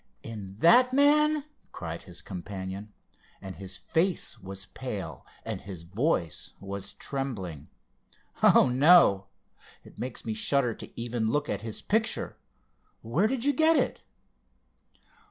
"In that man?" cried his companion, and his face was pale, and his voice was trembling. "Oh, no! it makes me shudder to even look at his picture. Where did you get it?"